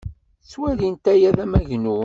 Ttwalin aya d amagnu.